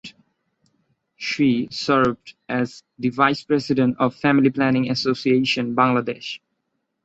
She served as the vice president of Family Planning Association Bangladesh.